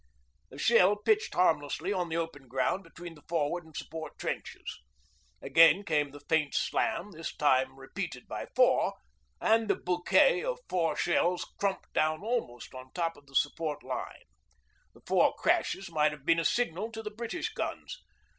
The shell pitched harmlessly on the open ground between the forward and support trenches. Again came that faint 'slam,' this time repeated by four, and the 'bouquet' of four shells crumped down almost on top of the support line. The four crashes might have been a signal to the British guns.